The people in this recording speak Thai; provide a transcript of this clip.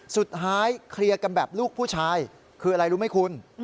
เคลียร์กันแบบลูกผู้ชายคืออะไรรู้ไหมคุณ